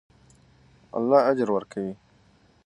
الله اجر ورکوي.